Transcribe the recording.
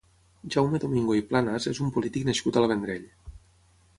Jaume Domingo i Planas és un polític nascut al Vendrell.